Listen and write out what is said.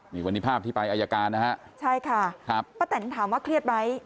นี่วันนี้ภาพที่ไปอายการนะฮะใช่ค่ะครับป้าแตนถามว่าเครียดไหม